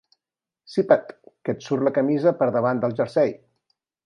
Sipa't, que et surt la camisa per davall del jersei.